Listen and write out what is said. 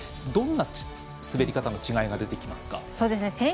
どんな滑り方の違いが出てきますか？